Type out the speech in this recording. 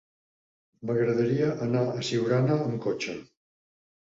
M'agradaria anar a Siurana amb cotxe.